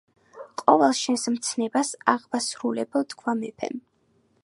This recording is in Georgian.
ყოველ შენს მცნებას აღვასრულებო თქვა მეფემ.